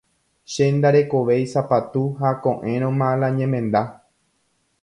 Che ndarekovéi sapatu ha ko'ẽrõma la ñemenda.